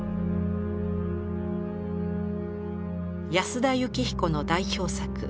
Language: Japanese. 安田靫彦の代表作